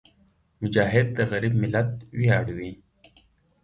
مجاهد د غریب ملت ویاړ وي.